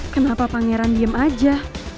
kenapa pangeran diem aja